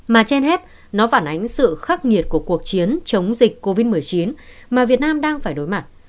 mà trên hết nó phản ánh sự khắc nghiệt của cuộc chiến chống dịch covid một mươi chín mà việt nam đang phải đối mặt